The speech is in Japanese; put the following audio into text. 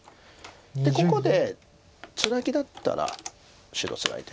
ここでツナギだったら白ツナいで。